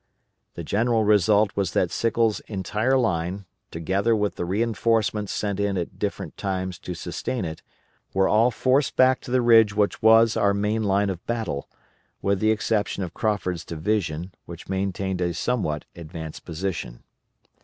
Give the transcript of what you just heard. The general result was that Sickles' entire line, together with the reinforcements sent in at different times to sustain it, were all forced back to the ridge which was our main line of battle, with the exception of Crawford's division which maintained a somewhat advanced position.